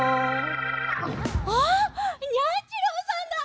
あっニャンちろうさんだ！